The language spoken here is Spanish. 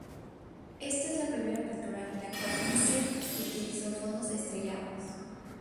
Ésta es la primera pintura en la cual Vincent utilizó fondos estrellados.